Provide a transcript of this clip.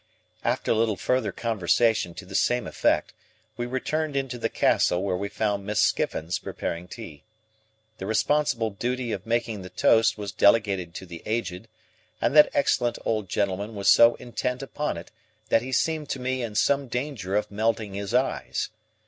After a little further conversation to the same effect, we returned into the Castle where we found Miss Skiffins preparing tea. The responsible duty of making the toast was delegated to the Aged, and that excellent old gentleman was so intent upon it that he seemed to me in some danger of melting his eyes.